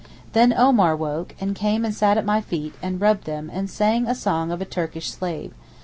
Then Omar woke, and came and sat at my feet, and rubbed them, and sang a song of a Turkish slave.